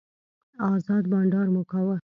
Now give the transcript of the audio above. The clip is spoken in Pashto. ازاد بانډار مو کاوه.